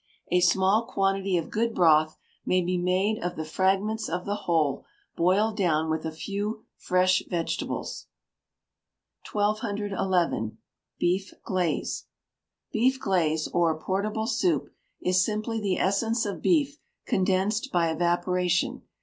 A small quantity of good broth may be made of the fragments of the whole, boiled down with a few fresh vegetables. 1211. Beef Glaze. Beef glaze, or portable soup, is simply the essence of beef condensed by evaporation.